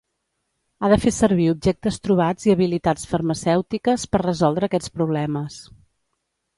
Ha de fer servir objectes trobats i habilitats farmacèutiques per resoldre aquests problemes.